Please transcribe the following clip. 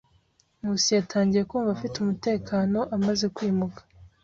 Nkusi yatangiye kumva afite umutekano amaze kwimuka.